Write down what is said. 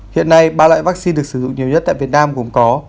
hiện nay ba loại vắc xin được sử dụng nhiều nhất tại việt nam gồm có